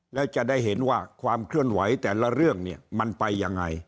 แล้วจะได้เห็นว่าความเคลื่อนไหวแต่ละเรื่องเนี่ยมันไปยังไง